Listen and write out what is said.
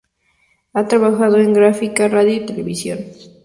Ha trabajado en gráfica, radio y televisión.